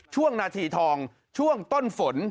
ช่วงณฑช่วงต้นฝน